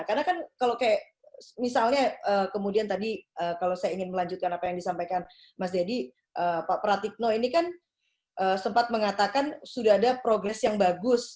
karena kan kalau kayak misalnya kemudian tadi kalau saya ingin melanjutkan apa yang disampaikan mas dedy pak pratipno ini kan sempat mengatakan sudah ada progress yang bagus